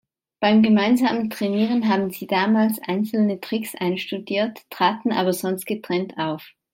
Beim gemeinsamen Trainieren haben sie damals einzelne Tricks einstudiert, traten aber sonst getrennt auf.